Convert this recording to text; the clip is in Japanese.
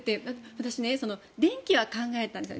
私、電気は考えたんです。